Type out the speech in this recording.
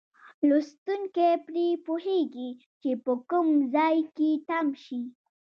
لوستونکی پرې پوهیږي چې په کوم ځای کې تم شي.